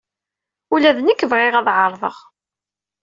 Ula d nekk bɣiɣ ad ɛerḍeɣ.